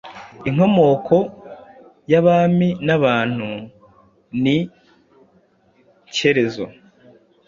Inkomoko y'Abami n'Abantu ni Shyerezo